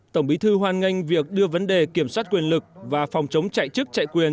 tổng bí thư hoan nghênh việc đưa vấn đề kiểm soát quyền lực và phòng chống chạy chức chạy quyền